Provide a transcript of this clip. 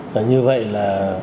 và như vậy là